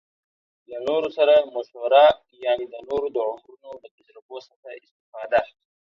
له نورو سره مشوره يعنې د نورو د عمرونو له تجربو څخه استفاده